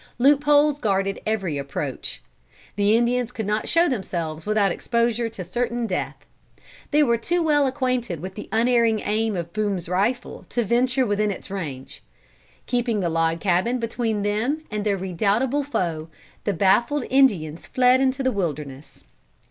Loop holes guarded every approach. The Indians could not show themselves without exposure to certain death. They were too well acquainted with the unerring aim of Boone's rifle to venture within its range. Keeping the log cabin between them and their redoubtable foe, the baffled Indians fled into the wilderness.